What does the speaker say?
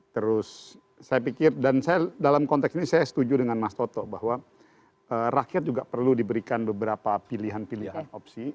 terus saya pikir dan saya dalam konteks ini saya setuju dengan mas toto bahwa rakyat juga perlu diberikan beberapa pilihan pilihan opsi